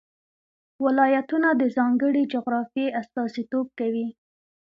ولایتونه د ځانګړې جغرافیې استازیتوب کوي.